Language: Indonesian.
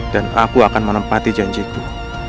dan aku akan menempati janjiku